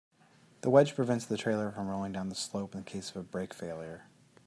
This wedge prevents the trailer from rolling down the slope in case of brake failure.